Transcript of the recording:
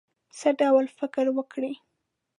څه ډول فکر وکړی.